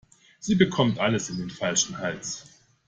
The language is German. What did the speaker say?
Sie bekommt alles in den falschen Hals.